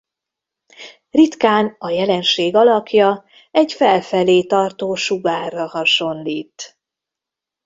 Ritkán a jelenség alakja egy felfelé tartó sugárra hasonlít.